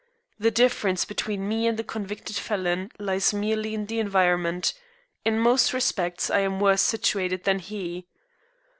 The difference between me and the convicted felon lies merely in environment; in most respects I am worse situated than he.